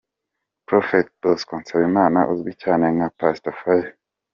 Prophet Bosco Nsabimana uzwi cyane nka Pastor Fire